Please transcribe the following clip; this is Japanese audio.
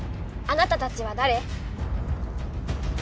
あなたたちはだれ？